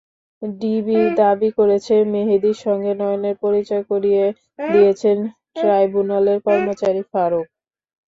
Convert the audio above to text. DB দাবি করেছে, মেহেদির সঙ্গে নয়নের পরিচয় করিয়ে দিয়েছেন ট্রাইব্যুনালের কর্মচারী ফারুক।